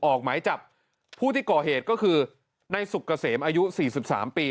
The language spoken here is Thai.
ออกหมายจับผู้ที่ก่อเหตุก็คือในสุกเกษมอายุ๔๓ปี